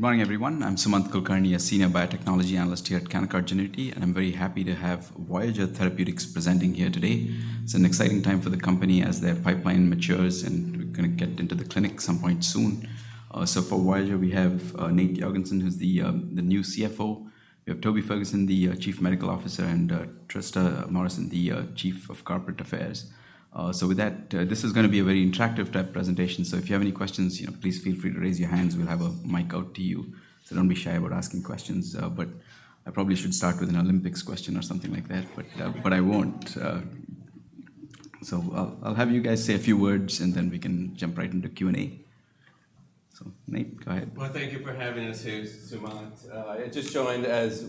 Good morning, everyone. I'm Sumanth Kulkarni, a senior biotechnology analyst here at Canaccord Genuity, and I'm very happy to have Voyager Therapeutics presenting here today. It's an exciting time for the company as their pipeline matures, and we're gonna get into the clinic some point soon. So for Voyager, we have Nate Jorgensen, who's the new CFO. We have Toby Ferguson, the Chief Medical Officer, and Trista Morrison, the Chief of Corporate Affairs. So with that, this is gonna be a very interactive type presentation. So if you have any questions, you know, please feel free to raise your hands. We'll have a mic out to you, so don't be shy about asking questions. But I probably should start with an Olympics question or something like that, but I won't. So I'll have you guys say a few words, and then we can jump right into Q&A. So Nate, go ahead. Well, thank you for having us here, Sumanth. I just joined as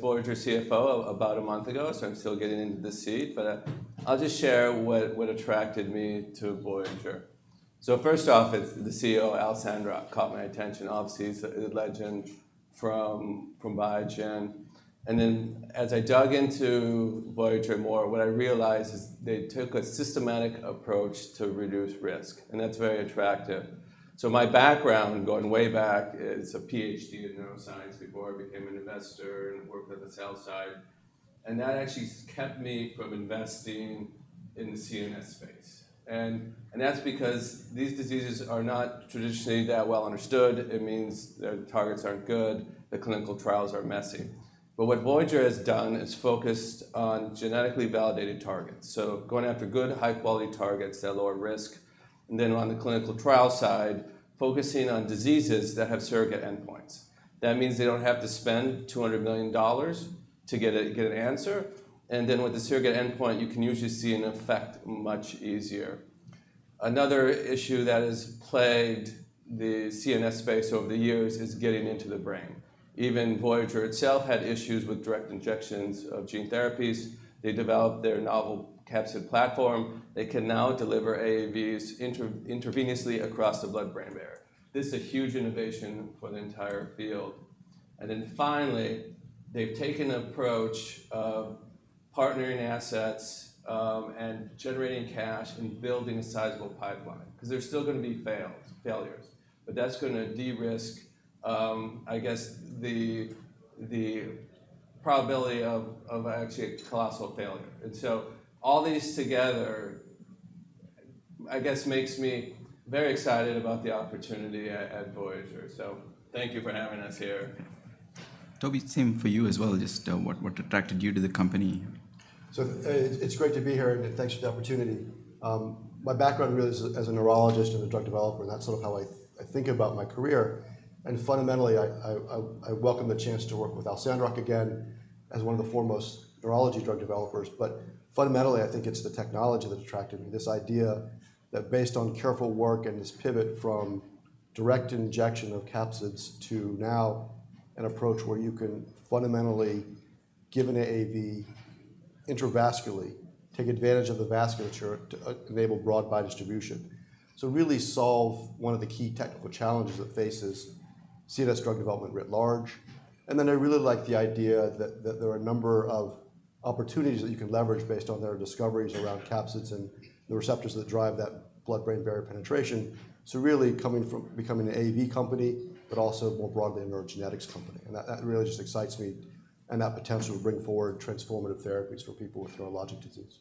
Voyager CFO about a month ago, so I'm still getting into the seat, but I'll just share what attracted me to Voyager. So first off, it's the CEO, Al Sandrock, caught my attention. Obviously, he's a legend from Biogen. And then, as I dug into Voyager more, what I realized is they took a systematic approach to reduce risk, and that's very attractive. So my background, going way back, is a PhD in neuroscience before I became an investor and worked on the sales side, and that actually kept me from investing in the CNS space. And that's because these diseases are not traditionally that well understood. It means their targets aren't good, the clinical trials are messy. But what Voyager has done is focused on genetically validated targets, so going after good, high-quality targets that lower risk, and then on the clinical trial side, focusing on diseases that have surrogate endpoints. That means they don't have to spend $200 million to get an answer, and then with the surrogate endpoint, you can usually see an effect much easier. Another issue that has plagued the CNS space over the years is getting into the brain. Even Voyager itself had issues with direct injections of gene therapies. They developed their novel capsid platform. They can now deliver AAVs intravenously across the blood-brain barrier. This is a huge innovation for the entire field. And then finally, they've taken an approach of partnering assets and generating cash and building a sizable pipeline, 'cause there's still gonna be fails, failures. But that's gonna de-risk, I guess, the probability of actually a colossal failure. And so all these together, I guess, makes me very excited about the opportunity at Voyager. So thank you for having us here. Toby, same for you as well. Just, what attracted you to the company? So it's great to be here, and thanks for the opportunity. My background really is as a neurologist and a drug developer, and that's sort of how I think about my career. And fundamentally, I welcome the chance to work with Al Sandrock again as one of the foremost neurology drug developers. But fundamentally, I think it's the technology that attracted me, this idea that based on careful work and this pivot from direct injection of capsids to now an approach where you can fundamentally give an AAV intravascularly, take advantage of the vasculature to enable broad biodistribution. So really solve one of the key technical challenges that faces CNS drug development writ large. And then I really like the idea that, that there are a number of opportunities that you can leverage based on their discoveries around capsids and the receptors that drive that blood-brain barrier penetration. So really coming from--becoming an AAV company, but also more broadly, a neurogenetics company. And that, that really just excites me and that potential to bring forward transformative therapies for people with neurologic disease.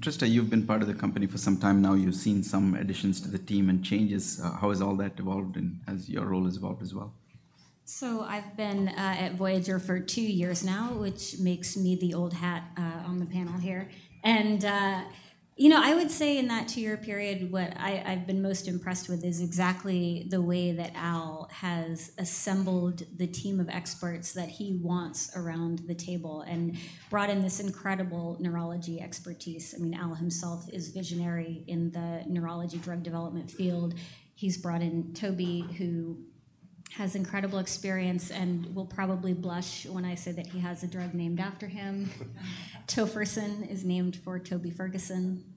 Trista, you've been part of the company for some time now. You've seen some additions to the team and changes. How has all that evolved and has your role evolved as well? So I've been at Voyager for two years now, which makes me the old hat on the panel here. And you know, I would say in that two-year period, what I've been most impressed with is exactly the way that Al has assembled the team of experts that he wants around the table and brought in this incredible neurology expertise. I mean, Al himself is visionary in the neurology drug development field. He's brought in Toby, who has incredible experience and will probably blush when I say that he has a drug named after him. Tofersen is named for Toby Ferguson.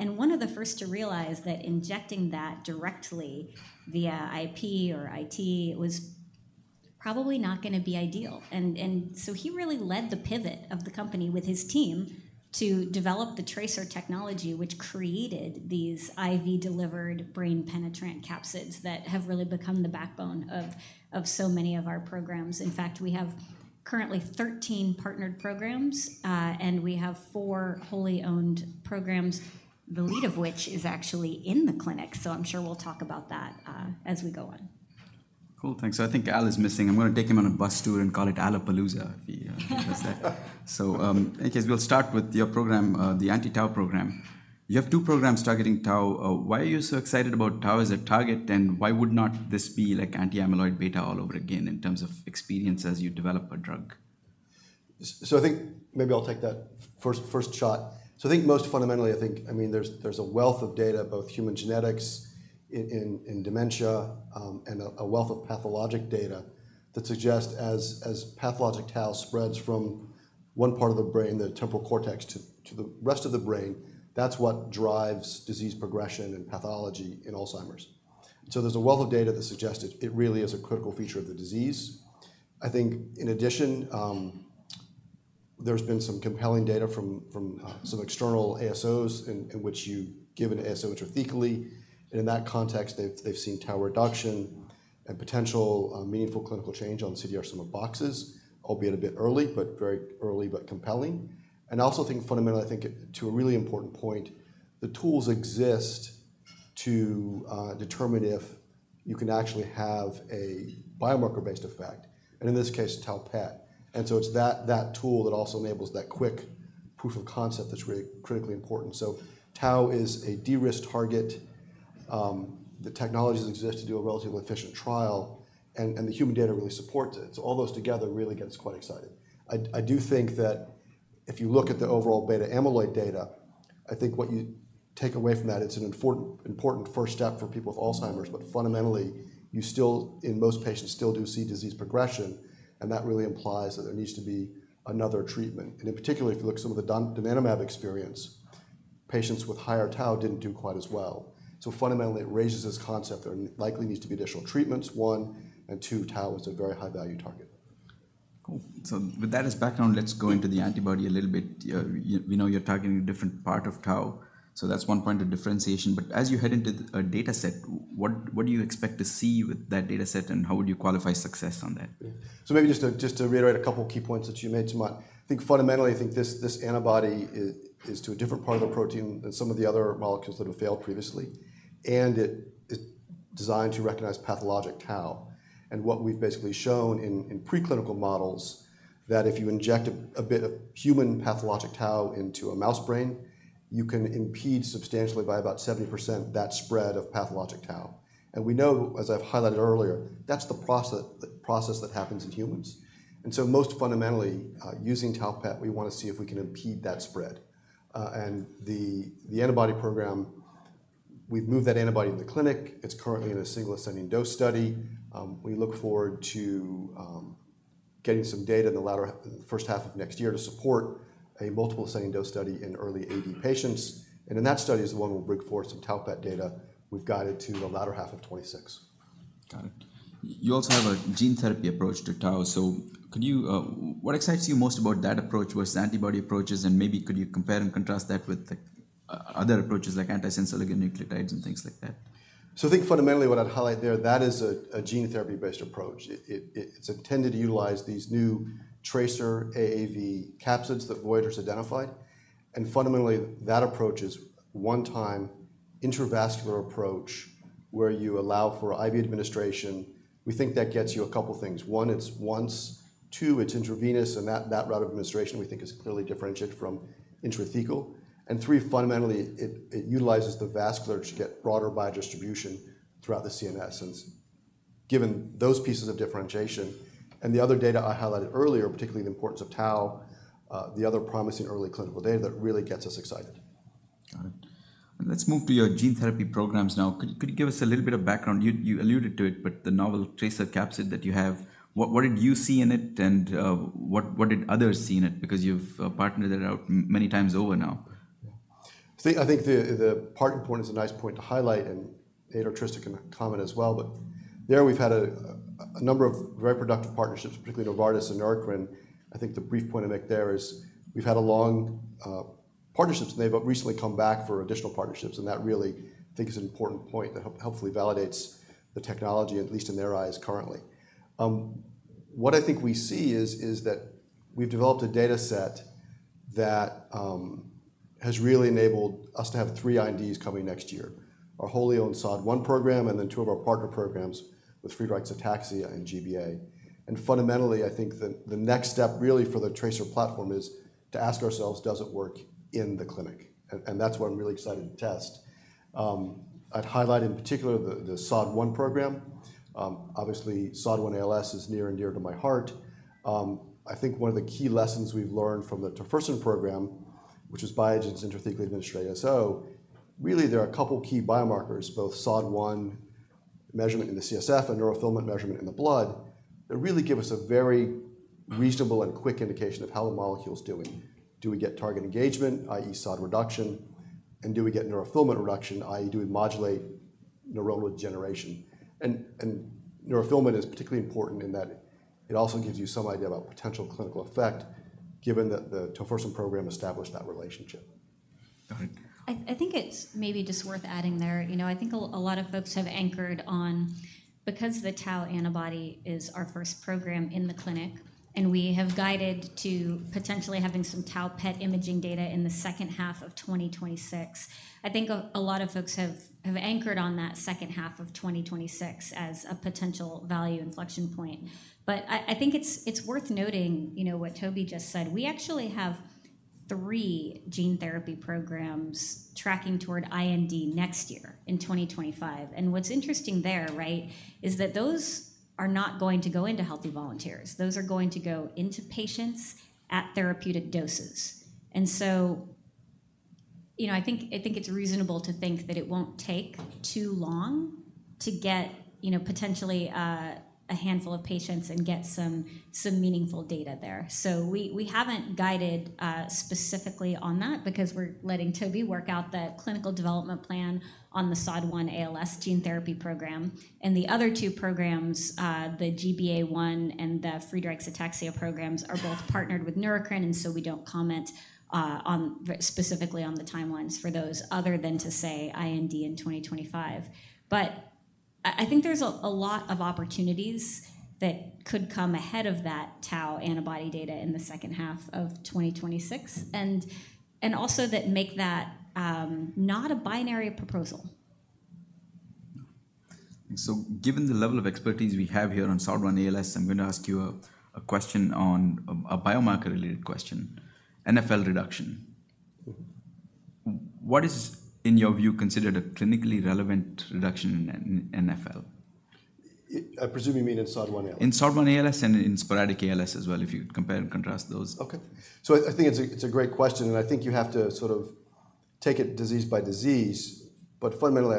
and one of the first to realize that injecting that directly via IP or IT was probably not gonna be ideal. And so he really led the pivot of the company with his team to develop the TRACER technology, which created these IV-delivered brain-penetrant capsids that have really become the backbone of so many of our programs. In fact, we have currently 13 partnered programs, and we have four wholly owned programs, the lead of which is actually in the clinic. So I'm sure we'll talk about that, as we go on. Cool, thanks. So I think Al is missing. I'm gonna take him on a bus tour and call it Alapalooza if he misses that. So, in case we'll start with your program, the anti-tau program. You have two programs targeting tau. Why are you so excited about tau as a target, and why would not this be like anti-amyloid beta all over again in terms of experience as you develop a drug? So I think maybe I'll take that first shot. So I think most fundamentally, I think, I mean, there's a wealth of data, both human genetics in dementia, and a wealth of pathologic data that suggest as pathologic tau spreads from one part of the brain, the temporal cortex, to the rest of the brain, that's what drives disease progression and pathology in Alzheimer's. So there's a wealth of data that suggests it really is a critical feature of the disease. I think in addition, there's been some compelling data from some external ASOs in which you give an ASO intrathecally, and in that context, they've seen tau reduction and potential meaningful clinical change on CDR sum of boxes, albeit a bit early, but very early, but compelling. I also think fundamentally, I think to a really important point, the tools exist to determine if you can actually have a biomarker-based effect, and in this case, tau PET. So it's that tool that also enables that quick proof of concept that's critically important. So tau is a de-risked target. The technologies exist to do a relatively efficient trial, and the human data really supports it. So all those together really gets quite excited. I do think that if you look at the overall beta-amyloid data, I think what you take away from that, it's an important, important first step for people with Alzheimer's. But fundamentally, you still, in most patients, still do see disease progression, and that really implies that there needs to be another treatment. In particular, if you look at some of the Donanemab experience, patients with higher tau didn't do quite as well. Fundamentally, it raises this concept. There likely needs to be additional treatments, one, and two, tau is a very high-value target. Cool. So with that as background, let's go into the antibody a little bit. We know you're targeting a different part of tau, so that's one point of differentiation. But as you head into a dataset, what do you expect to see with that dataset, and how would you qualify success on that? So maybe just to, just to reiterate a couple key points that you made, Sumanth. I think fundamentally, I think this antibody is to a different part of the protein than some of the other molecules that have failed previously, and it is designed to recognize pathologic Tau. And what we've basically shown in preclinical models, that if you inject a bit of human pathologic Tau into a mouse brain, you can impede substantially by about 70% that spread of pathologic Tau. And we know, as I've highlighted earlier, that's the process that happens in humans. And so most fundamentally, using Tau PET, we wanna see if we can impede that spread. And the antibody program, we've moved that antibody in the clinic. It's currently in a single ascending dose study. We look forward to getting some data in the latter first half of next year to support a multiple ascending dose study in early AD patients. And in that study is the one we'll bring forward some tau PET data we've guided to the latter half of 2026. Got it. You also have a gene therapy approach to tau, so could you, what excites you most about that approach versus the antibody approaches, and maybe could you compare and contrast that with the, other approaches like antisense oligonucleotides and things like that? So I think fundamentally what I'd highlight there, that is a gene therapy-based approach. It's intended to utilize these new TRACER AAV capsids that Voyager's identified, and fundamentally, that approach is one-time intravascular approach where you allow for IV administration. We think that gets you a couple things: one, it's once; two, it's intravenous, and that route of administration we think is clearly differentiated from intrathecal; and three, fundamentally, it utilizes the vascular to get broader biodistribution throughout the CNS. And given those pieces of differentiation and the other data I highlighted earlier, particularly the importance of tau, the other promising early clinical data that really gets us excited. Got it. Let's move to your gene therapy programs now. Could you give us a little bit of background? You alluded to it, but the novel TRACER capsid that you have, what did you see in it, and what did others see in it? Because you've partnered it out many times over now. I think the partner point is a nice point to highlight, and Adrian Trister can comment as well, but there we've had a number of very productive partnerships, particularly Novartis and Neurocrine. I think the brief point I'd make there is we've had long partnerships, and they've recently come back for additional partnerships, and that really, I think, is an important point that hopefully validates the technology, at least in their eyes currently. What I think we see is that we've developed a data set that has really enabled us to have three INDs coming next year: our wholly owned SOD1 program, and then two of our partner programs with Friedreich's ataxia and GBA. And fundamentally, I think that the next step really for the TRACER platform is to ask ourselves, does it work in the clinic? And that's what I'm really excited to test. I'd highlight, in particular, the SOD1 program. Obviously, SOD1 ALS is near and dear to my heart. I think one of the key lessons we've learned from the Tofersen program, which is Biogen's intrathecally administered ASO, really, there are a couple key biomarkers, both SOD1 measurement in the CSF and neurofilament measurement in the blood, that really give us a very reasonable and quick indication of how the molecule's doing. Do we get target engagement, i.e., SOD1 reduction, and do we get neurofilament reduction, i.e., do we modulate neurodegeneration? And neurofilament is particularly important in that it also gives you some idea about potential clinical effect, given that the Tofersen program established that relationship. Got it. I think it's maybe just worth adding there, you know. I think a lot of folks have anchored on... Because the tau antibody is our first program in the clinic, and we have guided to potentially having some tau PET imaging data in the second half of 2026, I think a lot of folks have anchored on that second half of 2026 as a potential value iNfLection point. But I think it's worth noting, you know, what Toby just said. We actually have three gene therapy programs tracking toward IND next year, in 2025, and what's interesting there, right, is that those are not going to go into healthy volunteers. Those are going to go into patients at therapeutic doses. So, you know, I think, I think it's reasonable to think that it won't take too long to get, you know, potentially a handful of patients and get some, some meaningful data there. So we, we haven't guided specifically on that because we're letting Toby work out the clinical development plan on the SOD1 ALS gene therapy program. And the other two programs, the GBA1 and the Friedreich's ataxia programs, are both partnered with Neurocrine, and so we don't comment on specifically on the timelines for those other than to say IND in 2025. But I, I think there's a, a lot of opportunities that could come ahead of that tau antibody data in the second half of 2026, and, and also that make that not a binary proposal. So given the level of expertise we have here on SOD1 ALS, I'm going to ask you a question on a biomarker-related question, NfL reduction. Mm-hmm. What is, in your view, considered a clinically relevant reduction in NfL? I presume you mean in SOD1 ALS? In SOD1 ALS and in sporadic ALS as well, if you compare and contrast those. Okay. So I think it's a great question, and I think you have to sort of take it disease by disease, but fundamentally,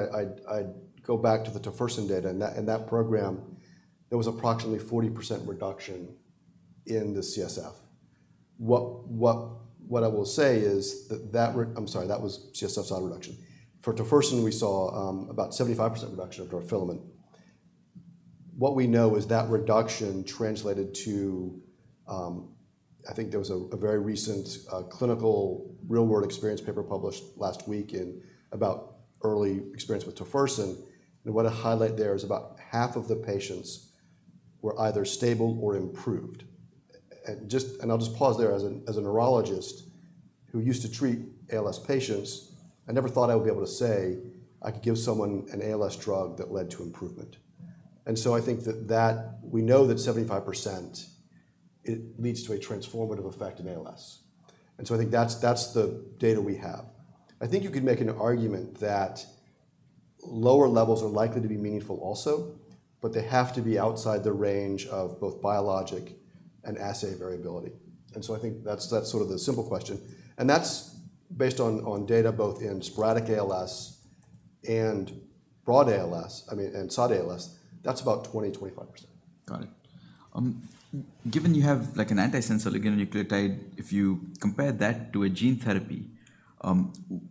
I'd go back to the Tofersen data, and in that program, there was approximately 40% reduction in the CSF. What I will say is that... I'm sorry, that was CSF SOD reduction. For Tofersen, we saw about 75% reduction of neurofilament. What we know is that reduction translated to... I think there was a very recent clinical real-world experience paper published last week about early experience with Tofersen, and what I highlight there is about half of the patients were either stable or improved. And I'll just pause there. As a neurologist who used to treat ALS patients, I never thought I would be able to say I could give someone an ALS drug that led to improvement. And so I think that we know that 75%, it leads to a transformative effect in ALS. And so I think that's the data we have. I think you could make an argument that lower levels are likely to be meaningful also, but they have to be outside the range of both biologic and assay variability. And so I think that's sort of the simple question, and that's based on data both in sporadic ALS and broad ALS, I mean, and SOD ALS, that's about 20-25%. Got it. Given you have like an antisense oligonucleotide, if you compare that to a gene therapy,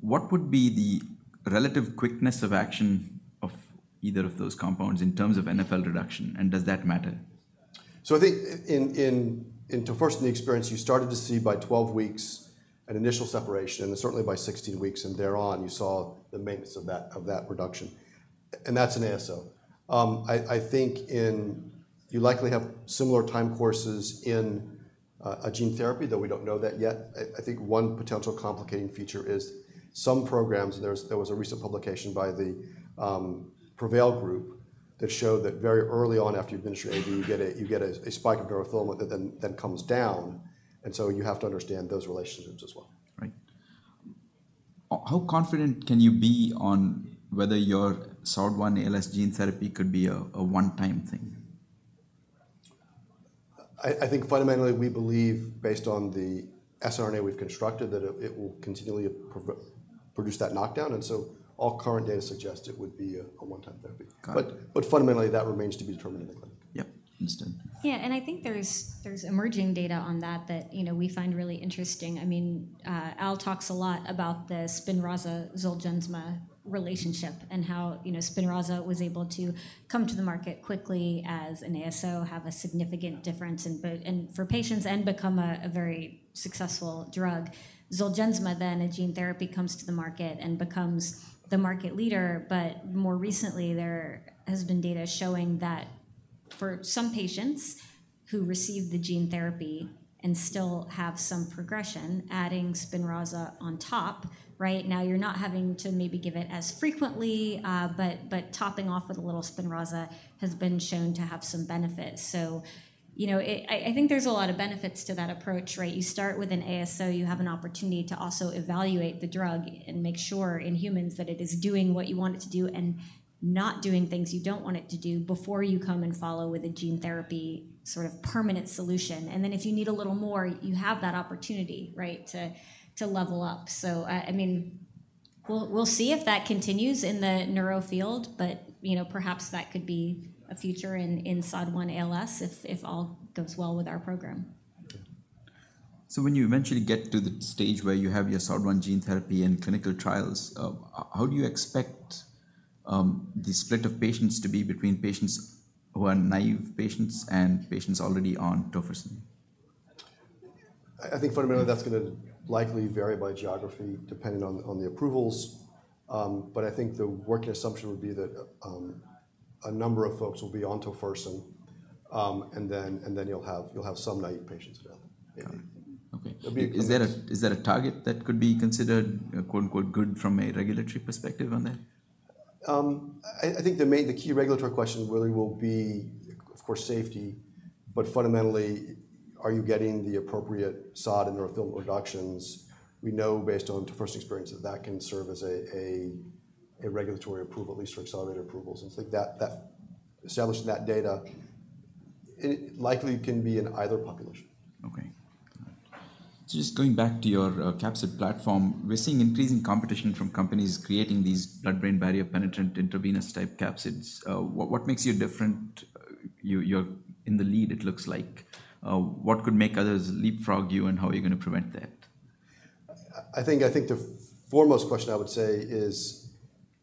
what would be the relative quickness of action of either of those compounds in terms of NfL reduction, and does that matter? So I think into firsthand the experience, you started to see by 12 weeks an initial separation, and certainly by 16 weeks and thereon, you saw the maintenance of that reduction. And that's an ASO. I think you likely have similar time courses in a gene therapy, though we don't know that yet. I think one potential complicating feature is some programs, there was a recent publication by the Prevail group that showed that very early on after you've administered AAV, you get a spike of neurofilament that then comes down, and so you have to understand those relationships as well. Right. How confident can you be on whether your SOD1 ALS gene therapy could be a one-time thing? I think fundamentally, we believe, based on the siRNA we've constructed, that it will continually produce that knockdown, and so all current data suggests it would be a one-time therapy. Got it. But fundamentally, that remains to be determined in the clinic. Yep. Understood. Yeah, and I think there's emerging data on that, that, you know, we find really interesting. I mean, Al talks a lot about the Spinraza Zolgensma relationship and how, you know, Spinraza was able to come to the market quickly as an ASO, have a significant difference in both and for patients, and become a very successful drug. Zolgensma, then, a gene therapy, comes to the market and becomes the market leader, but more recently, there has been data showing that for some patients who receive the gene therapy and still have some progression, adding Spinraza on top, right? Now, you're not having to maybe give it as frequently, but topping off with a little Spinraza has been shown to have some benefit. So, you know, I think there's a lot of benefits to that approach, right? You start with an ASO, you have an opportunity to also evaluate the drug and make sure in humans that it is doing what you want it to do and not doing things you don't want it to do before you come and follow with a gene therapy, sort of permanent solution. And then if you need a little more, you have that opportunity, right, to level up. So, I mean, we'll see if that continues in the neuro field, but, you know, perhaps that could be a future in SOD1 ALS, if all goes well with our program. So when you eventually get to the stage where you have your SOD1 gene therapy and clinical trials, how do you expect the split of patients to be between patients who are naive patients and patients already on Tofersen? I think fundamentally, that's gonna likely vary by geography, depending on the approvals. But I think the working assumption would be that a number of folks will be on Tofersen, and then you'll have some naive patients as well. Got it. Okay. It'll be- Is there a target that could be considered a quote, unquote, "good from a regulatory perspective" on that? I think the key regulatory question really will be, of course, safety, but fundamentally, are you getting the appropriate SOD and neurofilament reductions? We know based on Tofersen experience that that can serve as a regulatory approval, at least for accelerated approvals. And so that establishing that data, it likely can be in either population. Okay. So just going back to your capsid platform, we're seeing increasing competition from companies creating these blood-brain barrier penetrant intravenous type capsids. What makes you different? You're in the lead, it looks like. What could make others leapfrog you, and how are you gonna prevent that? I think the foremost question I would say is,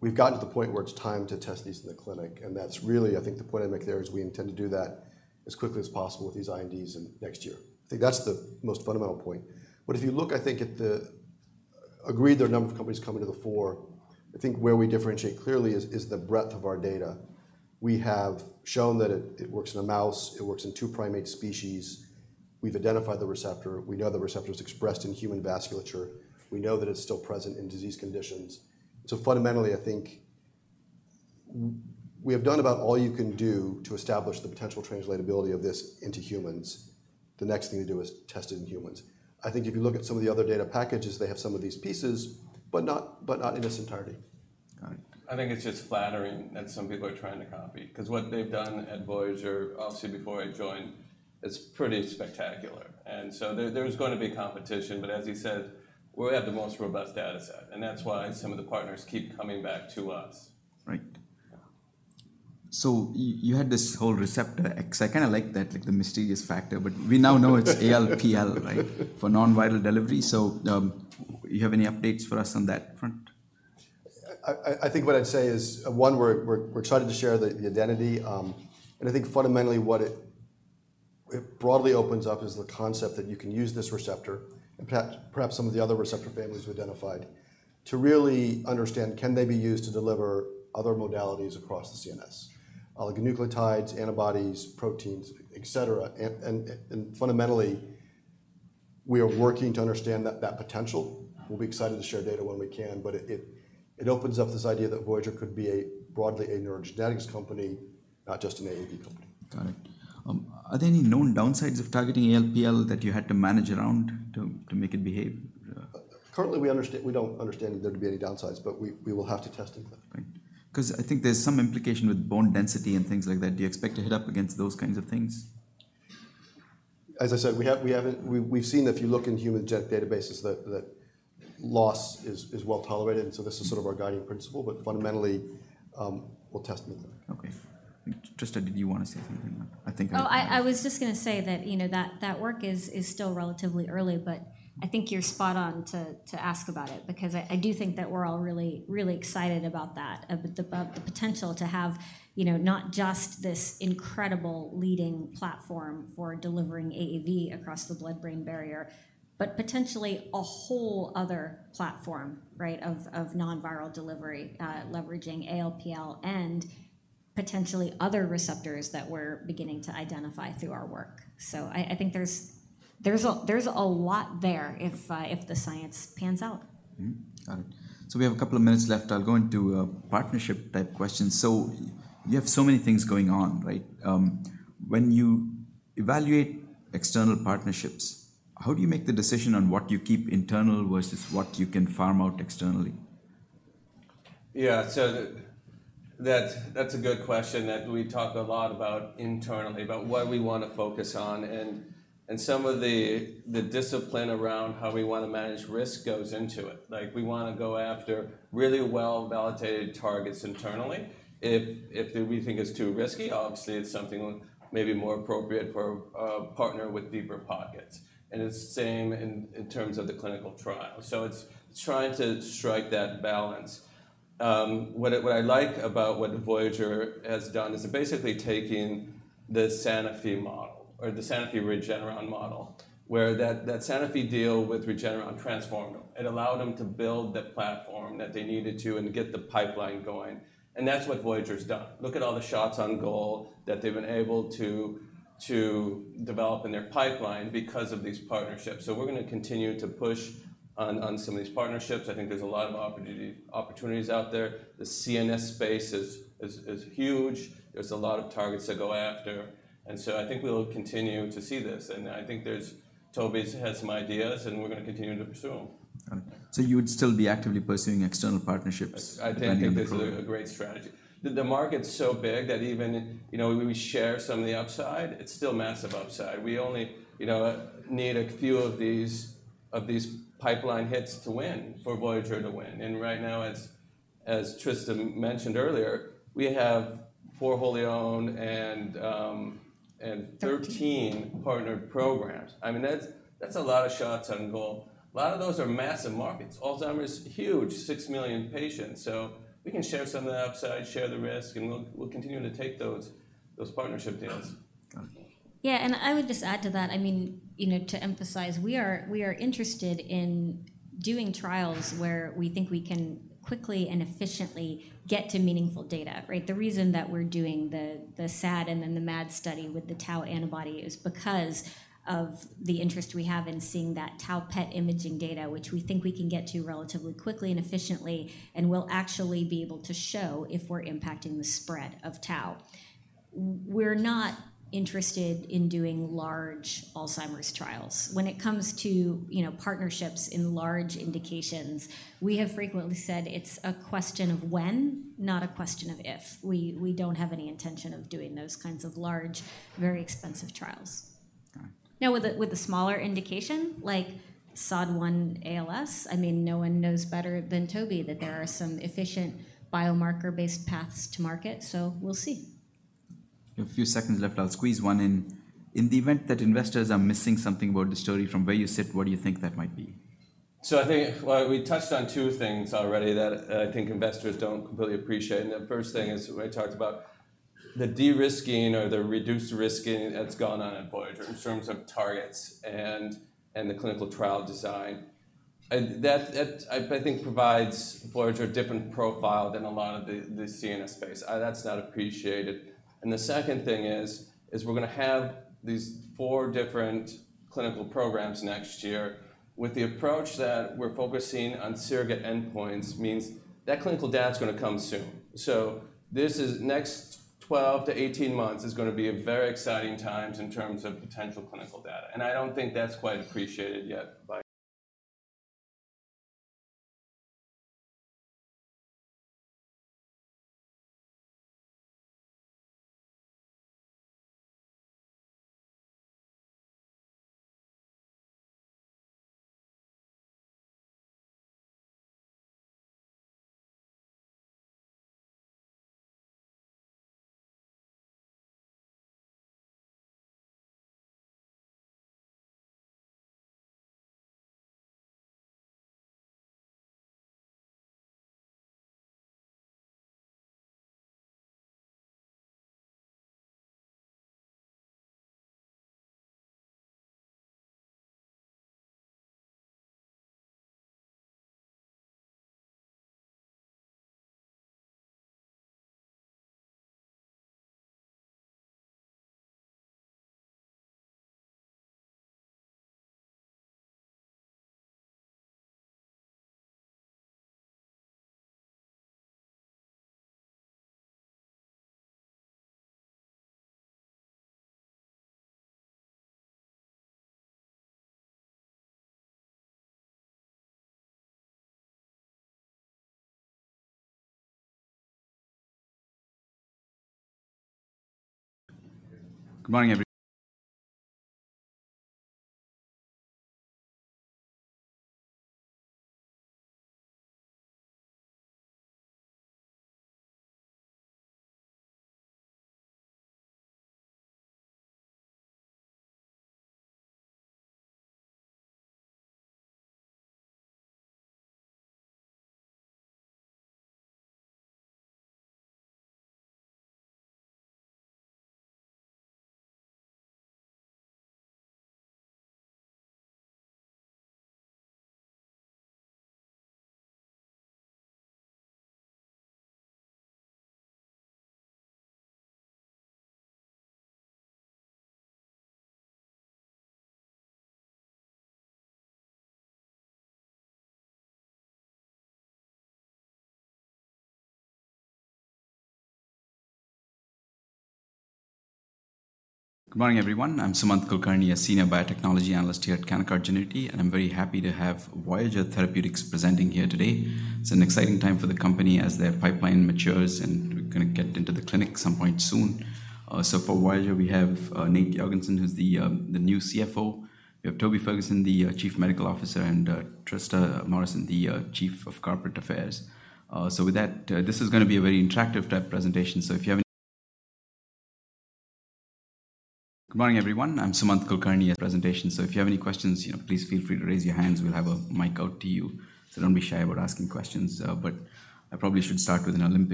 we've gotten to the point where it's time to test these in the clinic, and that's really... I think the point I'd make there is we intend to do that as quickly as possible with these INDs in next year. I think that's the most fundamental point. But if you look, I think at the, agreed, there are a number of companies coming to the fore. I think where we differentiate clearly is the breadth of our data. We have shown that it works in a mouse, it works in two primate species. We've identified the receptor. We know the receptor is expressed in human vasculature. We know that it's still present in disease conditions. So fundamentally, I think we have done about all you can do to establish the potential translatability of this into humans. The next thing to do is test it in humans. I think if you look at some of the other data packages, they have some of these pieces, but not, but not in its entirety. Got it. I think it's just flattering that some people are trying to copy. 'Cause what they've done at Voyager, obviously before I joined, is pretty spectacular. And so there, there's gonna be competition, but as he said, we have the most robust data set, and that's why some of the partners keep coming back to us. Right. So you, you had this whole Receptor X. I kinda like that, like the mysterious factor, but we now know it's ALPL, right, for non-viral delivery. So, you have any updates for us on that front? I think what I'd say is, one, we're excited to share the identity. And I think fundamentally what it broadly opens up is the concept that you can use this receptor, and perhaps some of the other receptor families we identified, to really understand, can they be used to deliver other modalities across the CNS? Oligonucleotides, antibodies, proteins, et cetera. And fundamentally, we are working to understand that potential. We'll be excited to share data when we can, but it opens up this idea that Voyager could be broadly a neurogenetics company, not just an AAV company. Got it. Are there any known downsides of targeting ALPL that you had to manage around to make it behave?... Currently, we don't understand there to be any downsides, but we will have to test in clinic. Right. 'Cause I think there's some implication with bone density and things like that. Do you expect to hit up against those kinds of things? As I said, we've seen that if you look in human gene databases, that loss is well tolerated, and so this is sort of our guiding principle, but fundamentally, we'll test in the clinic. Okay. Trista, did you want to say something? I think I- Oh, I was just gonna say that, you know, that work is still relatively early, but I think you're spot on to ask about it because I do think that we're all really, really excited about that, about the potential to have, you know, not just this incredible leading platform for delivering AAV across the blood-brain barrier, but potentially a whole other platform, right, of non-viral delivery, leveraging ALPL and potentially other receptors that we're beginning to identify through our work. So I think there's a lot there if the science pans out. Mm-hmm. Got it. So we have a couple of minutes left. I'll go into partnership-type questions. So you have so many things going on, right? When you evaluate external partnerships, how do you make the decision on what you keep internal versus what you can farm out externally? Yeah, so that's a good question that we talk a lot about internally, about what we want to focus on, and some of the discipline around how we want to manage risk goes into it. Like, we wanna go after really well-validated targets internally. If we think it's too risky, obviously it's something maybe more appropriate for a partner with deeper pockets, and it's the same in terms of the clinical trial. So it's trying to strike that balance. What I like about what Voyager has done is basically taking the Sanofi model or the Sanofi/Regeneron model, where that Sanofi deal with Regeneron transformed them. It allowed them to build the platform that they needed to and get the pipeline going, and that's what Voyager's done. Look at all the shots on goal that they've been able to develop in their pipeline because of these partnerships. So we're gonna continue to push on some of these partnerships. I think there's a lot of opportunity, opportunities out there. The CNS space is huge. There's a lot of targets to go after, and so I think we will continue to see this. And I think there's... Toby has had some ideas, and we're gonna continue to pursue them. Got it. So you would still be actively pursuing external partnerships? I think it is a great strategy. The market's so big that even, you know, when we share some of the upside, it's still massive upside. We only, you know, need a few of these, of these pipeline hits to win, for Voyager to win. And right now, as Trista mentioned earlier, we have four wholly owned and 13 partnered programs. I mean, that's a lot of shots on goal. A lot of those are massive markets. Alzheimer's, huge, 6 million patients. So we can share some of the upside, share the risk, and we'll continue to take those partnership deals. Got it. Yeah, and I would just add to that, I mean, you know, to emphasize, we are,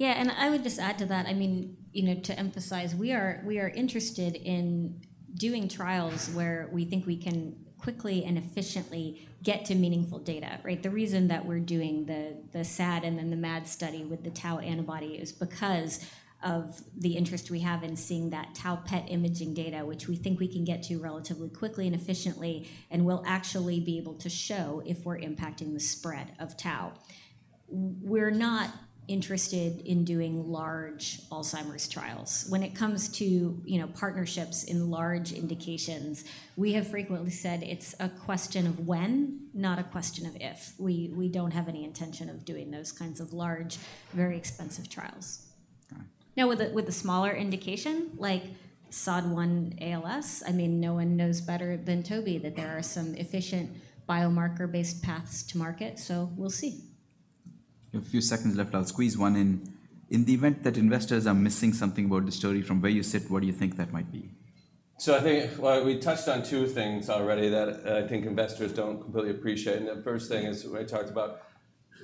we are interested in doing trials where we think we can quickly and efficiently get to meaningful data, right? The reason that we're doing the SAD and then the MAD study with the tau antibody is because of the interest we have in seeing that tau PET imaging data, which we think we can get to relatively quickly and efficiently and will actually be able to show if we're impacting the spread of tau. We're not interested in doing large Alzheimer's trials. When it comes to, you know, partnerships in large indications, we have frequently said it's a question of when, not a question of if. We, we don't have any intention of doing those kinds of large, very expensive trials. Got it. Now, with a smaller indication, like SOD1 ALS, I mean, no one knows better than Toby that there are some efficient biomarker-based paths to market, so we'll see. We have a few seconds left. I'll squeeze one in. In the event that investors are missing something about the story from where you sit, what do you think that might be? So I think, well, we touched on two things already that I think investors don't completely appreciate. And the first thing is when I talked about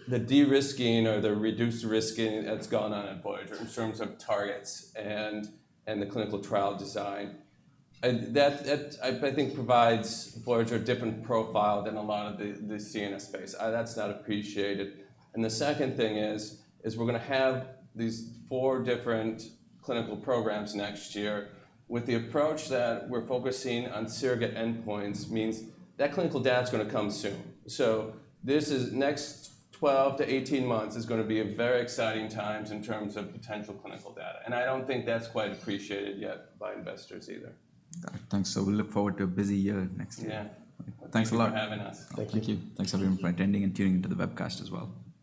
the de-risking or the reduced risking that's gone on at Voyager in terms of targets and the clinical trial design. And that I think provides Voyager a different profile than a lot of the CNS space. That's not appreciated. And the second thing is we're gonna have these four different clinical programs next year. With the approach that we're focusing on surrogate endpoints means that clinical data is gonna come soon. So this is—next 12-18 months is gonna be a very exciting times in terms of potential clinical data, and I don't think that's quite appreciated yet by investors either. Got it. Thanks. So we look forward to a busy year next year. Yeah. Thanks a lot. Thank you for having us. Thank you. Thank you. Thanks, everyone, for attending and tuning into the webcast as well.